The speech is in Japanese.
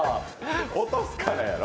落とすからやろ！